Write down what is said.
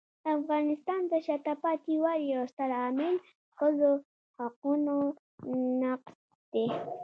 د افغانستان د شاته پاتې والي یو ستر عامل ښځو حقونو نقض دی.